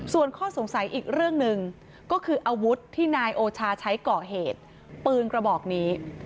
ส่วนข้อสงสัยอีกเรื่องหนึ่งก็คืออาวุธที่นายโอชาใช้ก่อเหตุปืนกระบอกนี้